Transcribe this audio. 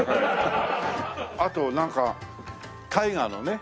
あとなんか大河のね